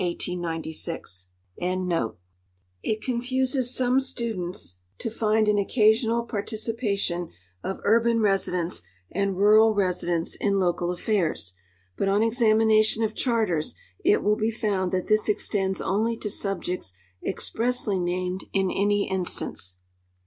FREE BURGHS" IH THE UNITED STATES 119 to find an occasional ]iarticipation of ui'ban residents and rural residents in local affairs, but on examination of charters it will be found that this extends onl}' to subjects expressly named in any instance.